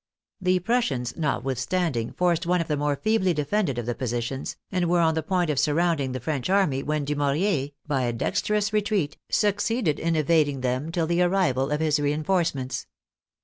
The Prus sians, notwithstanding, forced one of the more feebly defended of the positions, and were on the point of sur rounding the French army when Dumouriez, by a dex terous retreat, succeeded in evading them till the arrival of his reinforcements.